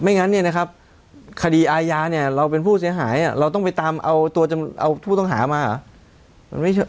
งั้นเนี่ยนะครับคดีอาญาเนี่ยเราเป็นผู้เสียหายเราต้องไปตามเอาตัวเอาผู้ต้องหามาเหรอ